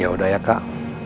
yaudah ya kak